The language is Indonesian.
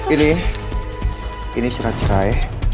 ini ini syarat cerai